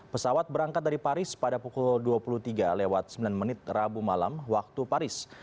pesawat berangkat dari paris pada pukul dua puluh tiga lewat sembilan menit rabu malam waktu paris